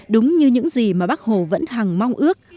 đúng như những gì mà bác hồ vẫn hằng mong ước